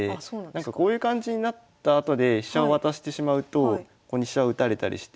こういう感じになったあとで飛車を渡してしまうとここに飛車を打たれたりして。